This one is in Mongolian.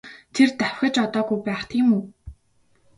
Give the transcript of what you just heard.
Тэр давхиж одоогүй байх тийм үү?